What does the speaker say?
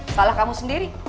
salah kamu sendiri